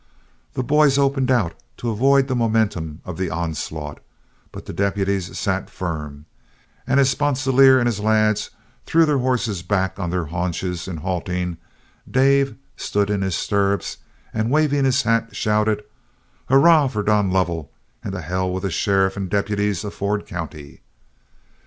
The boys opened out to avoid the momentum of the onslaught, but the deputies sat firm; and as Sponsilier and his lads threw their horses back on their haunches in halting, Dave stood in his stirrups, and waving his hat shouted, "Hurrah for Don Lovell, and to hell with the sheriff and deputies of Ford County!"